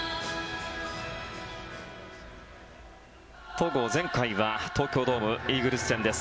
戸郷、前回は東京ドームイーグルス戦です。